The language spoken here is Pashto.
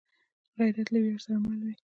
غیرت له ویاړ سره مل وي